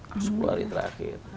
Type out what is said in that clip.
asuklah hari terakhir